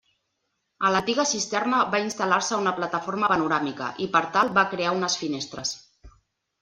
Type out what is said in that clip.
A l'antiga cisterna va instal·lar-se una plataforma panoràmica, i per tal va crear unes finestres.